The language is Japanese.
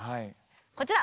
こちら！